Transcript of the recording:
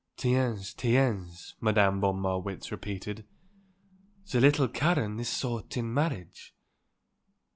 "Tiens, tiens," Madame von Marwitz repeated; "the little Karen is sought in marriage."